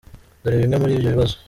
Dore bimwe muri ibyo bibazo :.